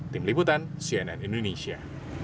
tim liputan cnn indonesia